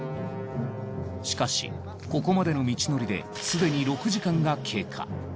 しかしここまでの道のりですでに６時間が経過。